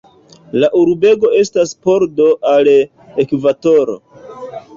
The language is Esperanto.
La urbego estas pordo al Ekvatoro.